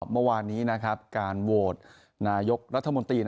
เมื่อวานนี้การโหวตนายกรัฐมนตรี